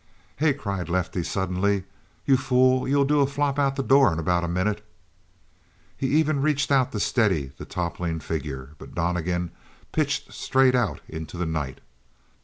"Hey," cried Lefty suddenly. "You fool, you'll do a flop out the door in about a minute!" He even reached out to steady the toppling figure, but Donnegan pitched straight out into the night.